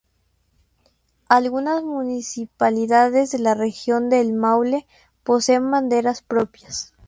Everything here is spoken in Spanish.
Algunas municipalidades de la Región del Maule poseen banderas propias.